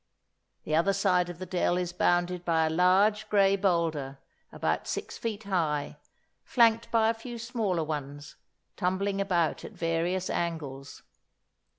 The other side of the dell is bounded by a large grey boulder, about six feet high, flanked by a few smaller ones tumbling about at various angles.